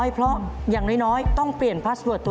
เพราะฉะนั้นขอให้โชคดีนะครับ